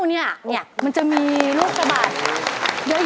เนี่ยมันจะมีลูกกระบาดเยอะ